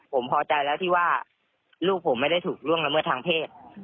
ผมพอใจแล้วที่ว่าลูกผมไม่ได้ถูกล่วงละเมิดทางเพศ